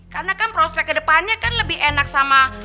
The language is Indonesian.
karena kan prospek kedepannya kan lebih enak sama